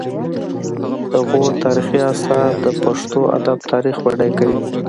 د غور تاریخي اثار د پښتو ادب تاریخ بډایه کوي